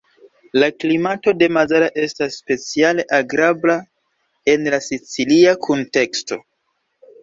La klimato de Mazara estas speciale agrabla en la sicilia kunteksto.